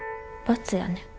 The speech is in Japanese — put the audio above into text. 罰やねん。